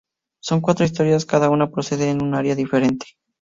Son cuatro historias, cada una procedente de un área diferente.